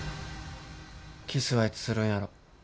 キスはいつするんやろ。